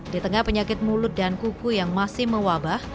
di tengah penyakit mulut dan kuku yang masih mewabah